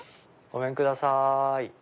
ごめんください。